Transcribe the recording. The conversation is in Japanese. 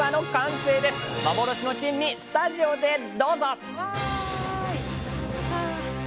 幻の珍味スタジオでどうぞ！